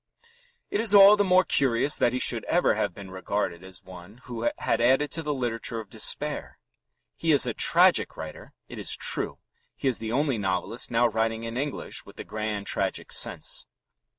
It is all the more curious that he should ever have been regarded as one who had added to the literature of despair. He is a tragic writer, it is true; he is the only novelist now writing in English with the grand tragic sense.